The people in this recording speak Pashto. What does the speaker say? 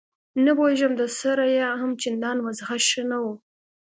نه پوهېږم ده سره یې هم چندان وضعه ښه نه وه.